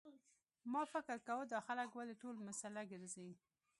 ما فکر کاوه دا خلک ولې ټول مسلح ګرځي.